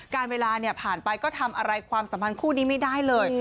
เวลาผ่านไปก็ทำอะไรความสัมพันธ์คู่นี้ไม่ได้เลย